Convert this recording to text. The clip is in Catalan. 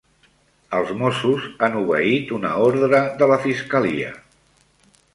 Els Mossos han obeït una ordre de la fiscalia